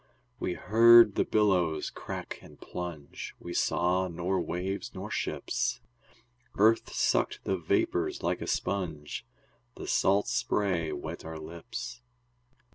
We heard the billows crack and plunge, We saw nor waves nor ships. Earth sucked the vapors like a sponge, The salt spray wet our lips.